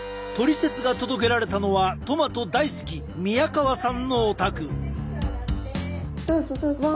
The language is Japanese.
トリセツが届けられたのはトマト大好き宮川さんのお宅。